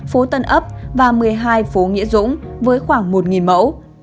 phố tân ấp và một mươi hai phố nghĩa dũng với khoảng một mẫu